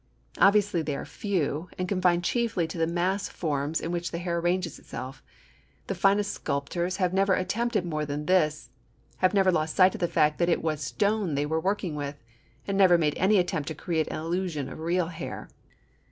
Obviously they are few, and confined chiefly to the mass forms in which the hair arranges itself. The finest sculptors have never attempted more than this, have never lost sight of the fact that it was stone they were working with, and never made any attempt to create an illusion of real hair.